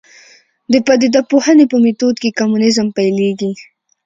د پدیده پوهنې په میتود کې کمونیزم پیلېږي.